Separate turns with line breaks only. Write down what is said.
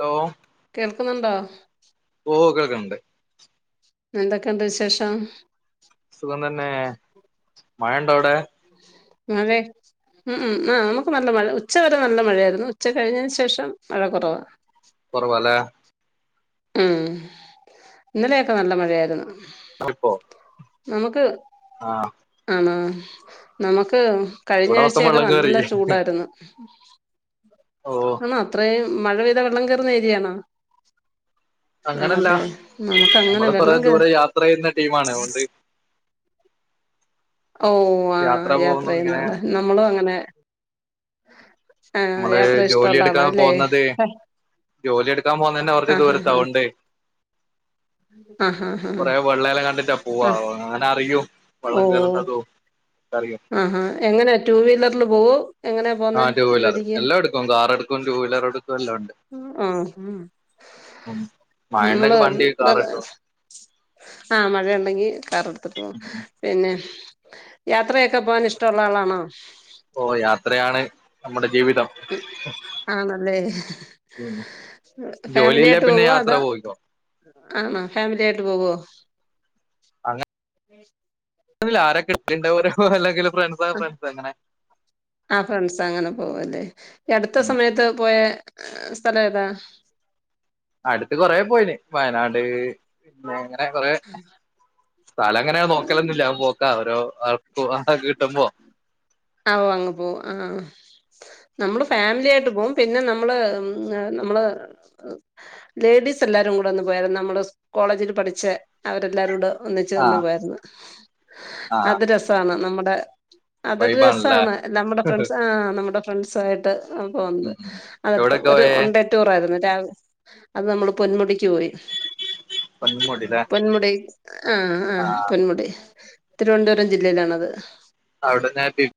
Hello
കേൾക്കുന്നുണ്ടോ
ക്കണ്ട്
എന്തൊക്കെയുണ്ട് വിശേഷം
സുഖം തന്നെ മഴ ഉണ്ടോ അവിടെ
അതെ ഉം ഉം ആ നമുക്ക് നല്ല മഴ ഉച്ച വരെ നല്ല മഴയായിരുന്നു ഉച്ച കഴിഞ്ഞതിന് ശേഷം മഴ കുറവ
കൊറവാ ലെ
ഉം ഇന്നലെയൊക്കെ നല്ല മഴയായിരുന്നു
അപ്പൊ
നമുക്ക് ആണോ നമുക്ക് കഴിഞ്ഞ
ഇവിടെ മൊത്തം
ആഴ്ചയൊക്കെ
വെള്ളം കേറി
നല്ല ചൂടായിരുന്നു
ഓ
ആണോ അത്രയും മഴ പെയ്ത വെള്ളം കയറുന്ന ഏരിയണോ
അങ്ങനല്ല
ആണല്ലേ നമുക്ക് അങ്ങനെ
നമ്മള് കൊറേ
വെള്ളം കേ
ദൂരെ യാത്ര ചെയ്യുന്ന ടീമാണ് അതുകൊണ്ട്
ഓ ആ യാത്ര
പോകുന്നു ഇങ്ങനെ
ചെയ്യുന്നാള നമ്മളും അങ്ങനെ ആഹ്
നമ്മള്
യാത്ര
ജോലി
ഇഷ്ടമുള്ള ആളാ
എടുക്കാൻ
അല്ലേ
പോകുന്നത് ജോലി എടുക്കാൻ പോകുന്ന തന്നെ കുറച്ചു
ആഹ് ആഹ് ആഹ്
ദൂരത്തതൊണ്ട്
ആഹ് ആഹ്
കൊറെേ
ആഹ്
വെള്ളയല്ലാം കണ്ടിട്ടാ
ആഹ്
പോവാോ അങ്ങനെ [unintelligible] അറിയോ വള്ളം
ഓ
കയറന്നതും
ആഹാ എങ്ങനാ ടു വീലറിൽ പോവു
ആഹ ടടു വീലർ എല്ലാം എടുക്കും കാർ എടുക്കും ടു വീലർ എടുക്കും എല്ലാം ഉണ്ട്
ആഹഹ [unintelligible]
ഉം മഴണ്ടെങ്കി വണ്ടി
ഉന്ത
കാർ എടുക്കും
[unintelligible] ആഹ മഴ ഉണ്ടെങ്കി കാർ എടുത്തിട്ട് പോവും പിന്നെ യാത്ര ഒക്കെ പോകാനൻ ഇഷ്ടമുള്ള ആളാണോ
ഓ യാത്രയാണ് നമ്മുടെ ജീവിതം
ഉ ആണല്ലേ
ഉം ജോലിയില്ലേ
ഫാമിലിയായിട്ട്
പിന്നെ
പോവോ
യാത്ര
അതാ
പോയിക്കോ
ആണ ഫാമിലിയ ആായിട്ട് പോവുവോ? ഉം [unintelligible]
അ ആരക്ക കിട്ടണ്ട [unintelligible] ഓരോ അല്ലെങ്കിൽ [unintelligible] ഫ്രണ്ട്സ് ആ ഫ്രണ്ട്സ് അങ്ങനെ
ആ ഫ്രണ്ട്സ് അങ്ങനെ പോവ അല്ലേ അടുത്ത
ഉം
സമയത്ത് പോയ സ്ഥലം ഏതാ?
അടുത്ത് കൊറ പോയിന് വയനാട്, പിന്നെ [unintelligible] കൊറെേ സ്ഥലം അങ്ങനെ നോക്കലന്നില്ല ഞാൻ പോക്കഓരോആൾ പോ [unintelligible] ആട്ടാ കിട്ട്പോ
ആ ഓ അങ്ങ് പോവും ആ
[unintelligible]
നമ്മള് ഫാമിലി ആയിട്ട് പോകും പിന്നെ നമ്മള് നമ്മള് ലേഡീസ് എല്ലാരും കൂ പോയ നമ്മള് കോളേജിൽ പഠിച്ചച്ച് അവരെല്ലാരും കൂടെ ഒന്നിച്ചു ഒന്നു
ആഹ്
പോയിരുന്നു
ആഹ്
അത് രസമാണ് നമ്മുടെ അതൊരു
വൈബാണല്ലേ
രസമാണ് നമ്മുടെ ഫ്രണ്ട്സ് ആ നമ്മുടെ ഫ്രണ്ട്സ ആയിട്ട് ആ പോന്നത്
ഉം ഉം
അതടുത്ത്
എവിടൊക്കെ
ഒരു
പോയേ
ഒണ്ടേറ്റൂറായിരുന്നു രാവിലെ അത് നമ്മള് പൊന്മുടി പോയി
പൊന്മുടില്ലേ
പൊന്മുടി ആഹ ആഹ
ആഹ്
പൊന്മുടി തിരുവനന്തപുരം ജില്ലയിലാണത്.
അവിടെന്ന [unintelligible]